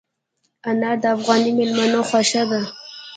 انار د افغاني مېلمنو خوښه ده.